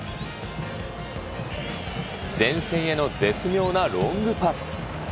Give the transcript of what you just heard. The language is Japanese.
前線への絶妙なロングパス。